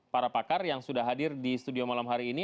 para pakar yang sudah hadir di studio malam hari ini